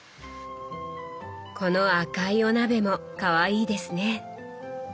この赤いお鍋もかわいいですね。